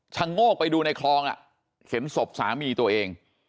โงกไปดูในคลองเห็นศพสามีตัวเอง